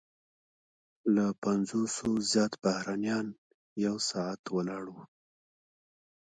له پنځوسو زیات بهرنیان یو ساعت ولاړ وو.